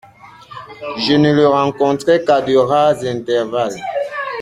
Je ne le rencontrais qu'à de rares intervalles.